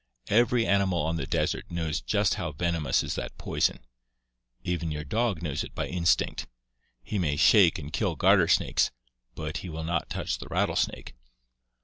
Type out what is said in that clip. ... Every animal on the desert knows just how venomous is that poison. Even your dog knows it by instinct. He may shake and kill garter snakes, but he will not touch the rattlesnake.